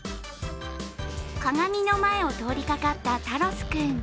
鏡の前を通りかかったタロス君。